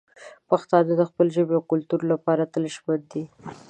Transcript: پښتانه د خپلې ژبې او کلتور لپاره تل ژمن دي.